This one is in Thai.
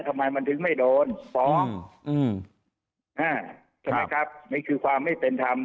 ทำไมมันถึงไม่โดนฟ้องครับนี่คือความไม่เป็นทำ